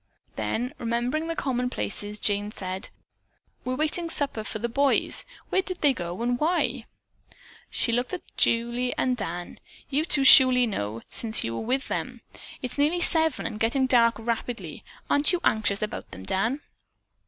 Then remembering the commonplaces, Jane said: "We're waiting supper for the boys. Where did they go and why?" She looked at both Julie and Dan. "You two surely know, since you were with them. It is nearly seven and getting dark rapidly. Aren't you anxious about them, Dan?"